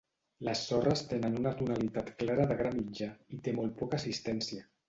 Les sorres tenen una tonalitat clara de gra mitjà i té molt poca assistència.